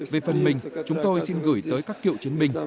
về phần mình chúng tôi xin gửi tới các cựu chiến binh